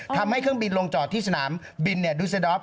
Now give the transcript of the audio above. เครื่องบินลงจอดที่สนามบินดูเซดอฟ